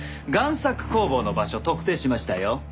贋作工房の場所特定しましたよ。